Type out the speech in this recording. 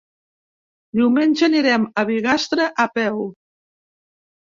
Diumenge anirem a Bigastre a peu.